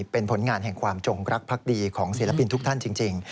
เป็นผลงานแห่งความจงรักพักดีของศิลปินทุกท่านจริง